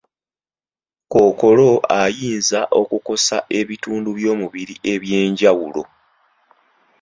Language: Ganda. Kkookolo ayinza okukosa ebitundu by'omubiri eby'enjawulo.